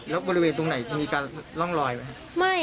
แล้วบริเวณตรงไหนมีการร่องรอยไหม